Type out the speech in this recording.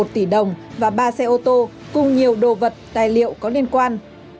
một tỷ đồng và ba xe ô tô cùng nhiều đồ vật tài liệu có liên quan